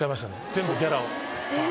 全部ギャラを。